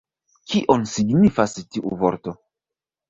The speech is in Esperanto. Kion signifas tiu vorto?